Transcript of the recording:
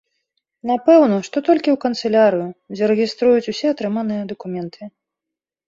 Напэўна, што толькі ў канцылярыю, дзе рэгіструюць усе атрыманыя дакументы.